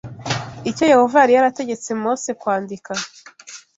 icyo Yehova yari yarategetse Mose kwandika